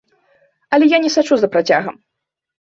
Але я не сачу за працягам.